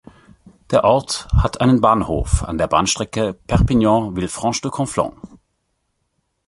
Der Ort hat einen Bahnhof an der Bahnstrecke Perpignan–Villefranche-de-Conflent.